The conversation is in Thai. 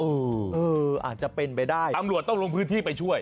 เอออาจจะเป็นไปได้ตำรวจต้องลงพื้นที่ไปช่วย